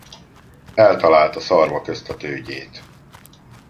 Eltalálta szarva közt a tőgyét.